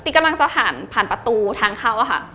กำลังจะผ่านผ่านประตูทางเข้าอะค่ะ